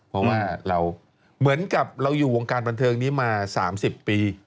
เพราะว่าเราเหมือนกับเราอยู่วงการบันเทิงนี้มา๓๐ปี